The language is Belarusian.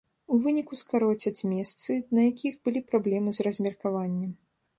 У выніку скароцяць месцы, на якіх былі праблемы з размеркаваннем.